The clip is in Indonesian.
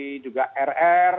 dari juga rr